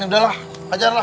udah lah ajar lah